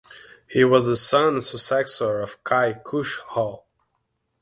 He was the son and successor of Kay Khusraw.